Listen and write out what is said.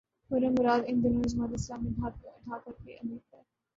خرم مراد ان دنوں جماعت اسلامی ڈھاکہ کے امیر تھے۔